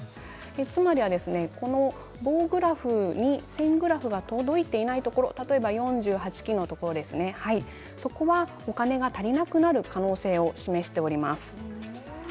つまりはですね、棒グラフに線グラフが届いていないところ例えば４８期のところそこは、お金が足りなくなる可能性を示しております。